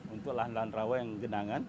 ada namanya lahan rawa yang genangan